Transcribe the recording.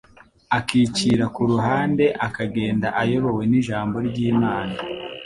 akicira ku ruhande akagenda ayobowe n'Ijambo ry'Imana.